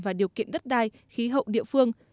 và điều kiện đất đai khí hậu địa phương